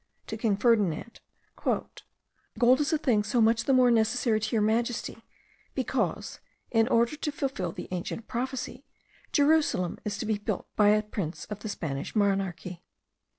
to King Ferdinand, "gold is a thing so much the more necessary to your majesty, because, in order to fulfil the ancient prophecy, Jerusalem is to be rebuilt by a prince of the Spanish monarchy.